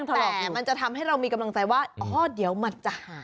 แต่มันจะทำให้เรามีกำลังใจว่าอ๋อเดี๋ยวมันจะหาย